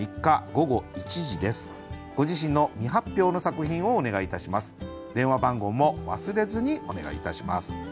ご自身の未発表の作品をお願いいたします。